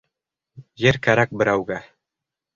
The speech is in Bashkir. Ер кәрәк берәүгә.